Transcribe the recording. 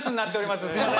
すみません。